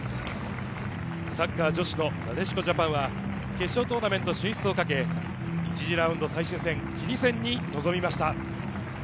サッカー女子のなでしこジャパンは、決勝トーナメント進出をかけ、１次ラウンド最終戦、チリ戦に臨みました。